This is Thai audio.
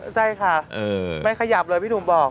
ใช่ค่ะไม่ขยับเลยพี่หนุ่มบอก